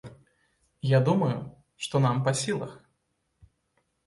Я думаю, што нам па сілах.